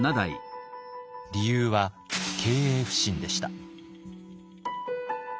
理由は経営不振でした。